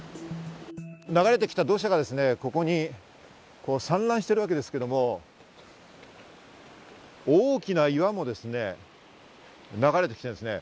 流れてきた土砂がですね、ここに散乱しているわけですけど、大きな岩も流れて来てるんですね。